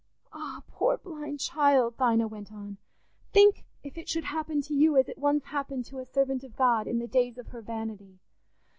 "Ah, poor blind child!" Dinah went on, "think if it should happen to you as it once happened to a servant of God in the days of her vanity.